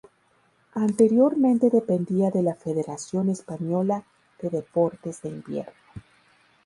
Anteriormente dependía de la Federación Española de Deportes de Invierno.